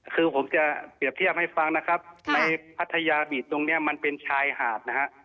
คือผมจะเปรียบเทียบให้ฟังนะครับในพัทยาบีดตรงนี้มันเป็นชายหาดนะฮะ